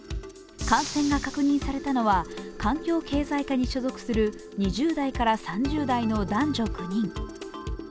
感染が確認されたのは環境経済課に所属する２０代から３０代の男女９人。